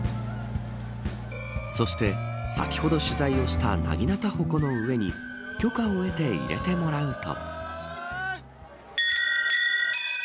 そして先ほど取材をしたなぎなたほこの上に許可を得て入れてもらうと。